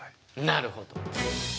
なるほど！